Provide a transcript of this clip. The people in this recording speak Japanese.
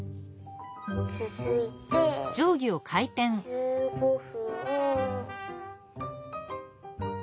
つづいて１５分。